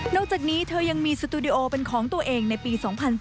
จากนี้เธอยังมีสตูดิโอเป็นของตัวเองในปี๒๔